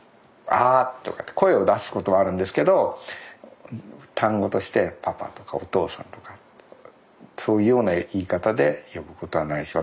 あとかって声を出すことはあるんですけど単語としてパパとかお父さんとかそういうような言い方で呼ぶことはないし